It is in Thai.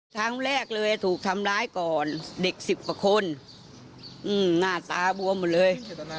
ครั้งแรกเลยถูกทำร้ายก่อนเด็กสิบกว่าคนหน้าตาบวมหมดเลย